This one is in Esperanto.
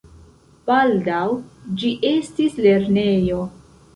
Baldaŭ ĝi estis lernejo.